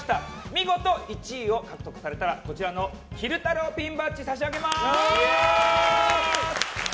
見事１位を獲得されたらこちらの昼太郎ピンバッジを差し上げます。